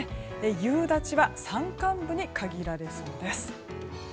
夕立は山間部に限られそうです。